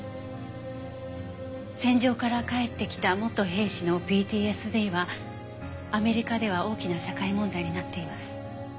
戦場から帰ってきた元兵士のＰＴＳＤはアメリカでは大きな社会問題になっています。